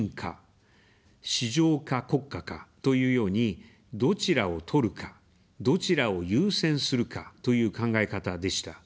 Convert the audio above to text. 「市場か国家か」、というように、どちらを取るか、どちらを優先するか、という考え方でした。